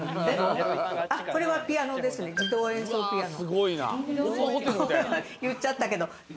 これはピアノですね、自動演奏ピアノ。